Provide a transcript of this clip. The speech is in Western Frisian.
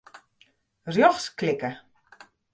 Rjochts klikke.